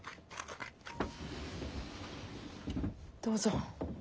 どうぞ。